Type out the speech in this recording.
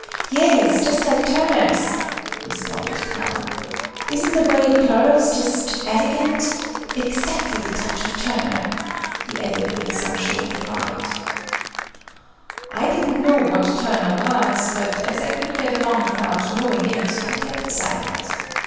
"Yes, just like Turner's," responded Clown, "Isn't the way it curves just elegant? Exactly the touch of Turner," he added with some show of pride. I didn't know what Turner was, but as I could get along without knowing it, I kept silent.